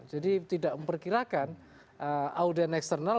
jadi tidak memperkirakan audian eksternal